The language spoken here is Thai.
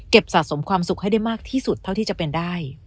สะสมความสุขให้ได้มากที่สุดเท่าที่จะเป็นได้